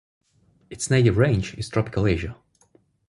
Its native range is Tropical Asia.